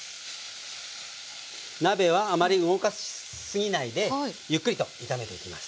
鍋はあまり動かし過ぎないでゆっくりと炒めていきます。